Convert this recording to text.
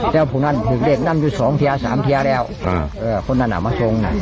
แจ้วพวกนั้นถือเลขนั้นอยู่สองทีสามทีแล้วค่ะเออคนนั้นอามาชงน่ะ